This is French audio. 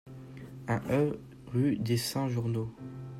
un E rue des Cent Journaux